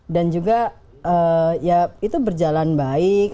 dan juga ya itu berjalan baik